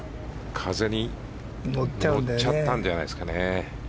風に乗っちゃったんじゃないですかね。